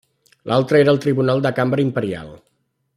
L'altre era el Tribunal de Cambra Imperial.